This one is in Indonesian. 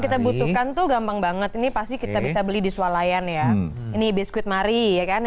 kita butuhkan tuh gampang banget ini pasti kita bisa beli di sualayan ya ini biskuit mari ya kan